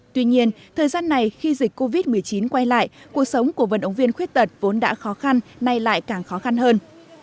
tuy nhiên thời gian này khi dịch covid một mươi chín quay lại cuộc sống của vận động viên khuyết tật vốn đã khó khăn nay lại càng khó khăn hơn